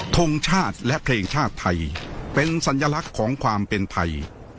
ทงชาติและเพลงชาติไทยเป็นสัญลักษณ์ของความเป็นไทย